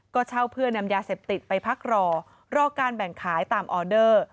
ก็เช่าเพื่อนำยาเสพติดไปพักรอรอการแบ่งขายตามออเดอร์